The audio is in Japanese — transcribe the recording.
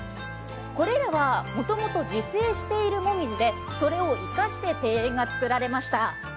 これらは、もともと自生している紅葉でそれを生かして庭園が作られました。